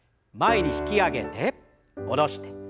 前に引き上げて下ろして。